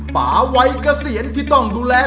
ป่าวัยเกษียณที่ต้องดูแล